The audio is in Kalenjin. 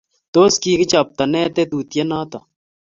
Tos kikichapto ne tetutiet noto?